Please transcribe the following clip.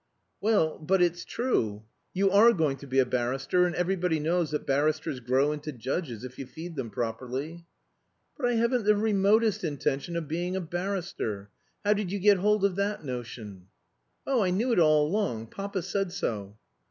"Well, but it's true. You are going to be a barrister, and everybody knows that barristers grow into judges, if you feed them properly." "But I haven't the remotest intention of being a barrister. How did you get hold of that notion?" "Oh, I knew it all along. Papa said so."